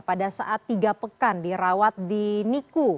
pada saat tiga pekan dirawat di niku